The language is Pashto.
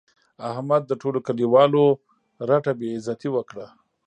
احمد د ټولو کلیوالو رټه بې عزتي وکړه.